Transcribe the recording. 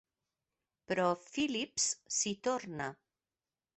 Però Philips s'hi torna.